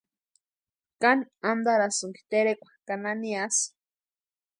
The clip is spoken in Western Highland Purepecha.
¿Káni antarasïnki terekwa ka naniasï?